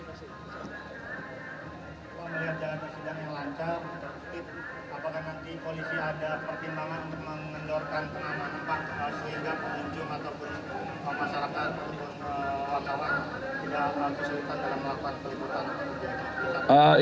tidak kesulitan karena melakukan peliputan